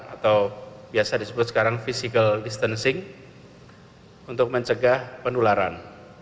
atau biasa disebut sekarang physical distancing untuk mencegah penularan